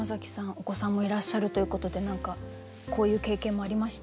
お子さんもいらっしゃるということで何かこういう経験もありました？